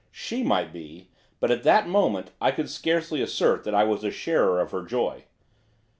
She might be, but, at that moment, I could scarcely assert that I was a sharer of her joy.